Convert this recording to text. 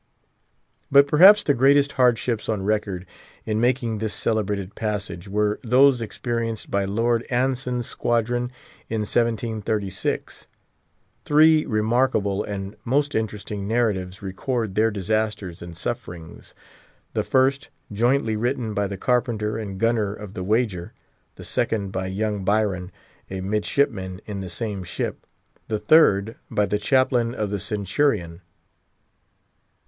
But perhaps the greatest hardships on record, in making this celebrated passage, were those experienced by Lord Anson's squadron in 1736. Three remarkable and most interesting narratives record their disasters and sufferings. The first, jointly written by the carpenter and gunner of the Wager; the second by young Byron, a midshipman in the same ship; the third, by the chaplain of the Centurion.